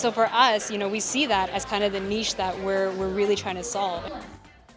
dan jadi untuk kita kita melihat itu sebagai nisnya yang kita ingin menolong